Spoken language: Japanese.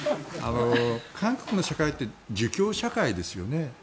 韓国の社会って儒教社会ですよね。